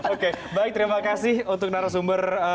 oke baik terima kasih untuk narasumber